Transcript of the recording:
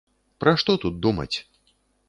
Пра што тут думаць?